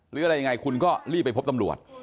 หรืออะไรยังไงคุณก็รีบไปพบตำรวจ